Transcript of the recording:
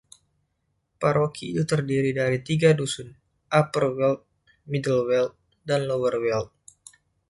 Paroki itu terdiri dari tiga dusun: Upper Weald, Middle Weald, dan Lower Weald.